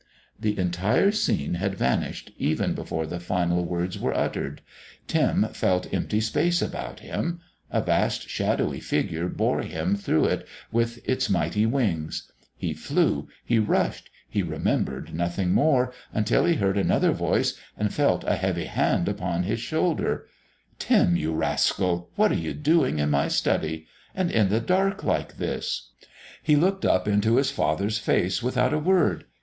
The entire scene had vanished even before the final words were uttered. Tim felt empty space about him. A vast, shadowy Figure bore him through it as with mighty wings. He flew, he rushed, he remembered nothing more until he heard another voice and felt a heavy hand upon his shoulder. "Tim, you rascal! What are you doing in my study? And in the dark, like this!" He looked up into his father's face without a word.